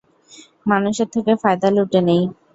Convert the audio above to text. মানুষের থেকে ফায়দা লুটে নেই?